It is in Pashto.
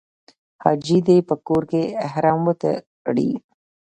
حاجي دې په کور کې احرام وتړي.